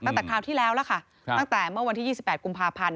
คราวที่แล้วล่ะค่ะตั้งแต่เมื่อวันที่๒๘กุมภาพันธ์